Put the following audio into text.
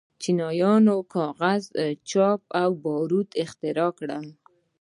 چینایانو کاغذ، چاپ او باروت اختراع کړل.